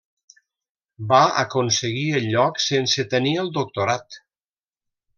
Va aconseguir el lloc sense tenir el doctorat.